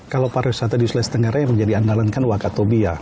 kalau pariwisata di sulawesi tenggara yang menjadi andalan kan wakatobia